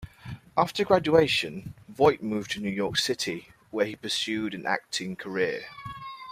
After graduation, Voight moved to New York City, where he pursued an acting career.